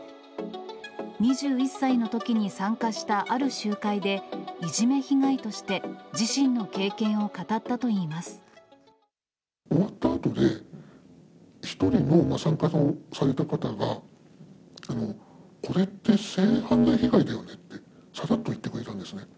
２１歳のときに参加したある集会で、いじめ被害として、自身の経終わったあとで、１人の参加された方が、これって性犯罪被害だよねって、さらっと言ってくれたんですね。